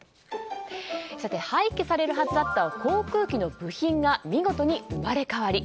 廃棄されるはずだった航空機の部品が見事に生まれ変わり。